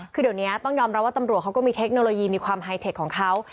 คือเดี๋ยวนี้ต้องยอมรับว่าตำรวจเขาก็มีเทคโนโลยีมีความไฮเทคของเขา